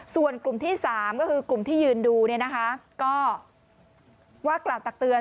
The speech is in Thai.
ส่วนกลุ่มที่๓ก็คือกลุ่มที่ยืนดูเนี่ยนะคะก็ว่ากล่าวตักเตือน